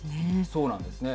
そうなんですね。